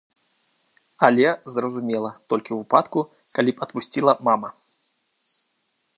Але, зразумела, толькі ў выпадку, калі б адпусціла мама.